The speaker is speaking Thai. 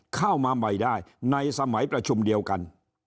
เข้ามาใหม่ได้ในสมัยประชุมเดียวกัน